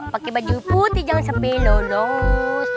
pakai baju putih jangan sampai lolos